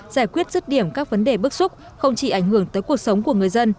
giải quyết rứt điểm các vấn đề bức xúc không chỉ ảnh hưởng tới cuộc sống của người dân